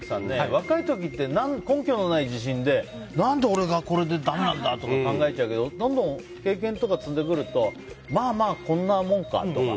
若い時って根拠のない自身で何で俺がだめなんだって考えちゃうけどどんどん経験を積んでくるとまあ、こんなもんかとか。